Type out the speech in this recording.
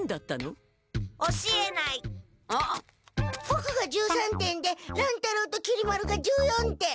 ボクが１３点で乱太郎ときり丸が１４点。